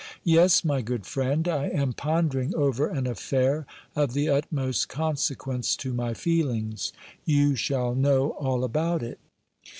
Yes, my good friend, I am pondering over an affair of the utmost consequence to my feelings. You shall know all about it.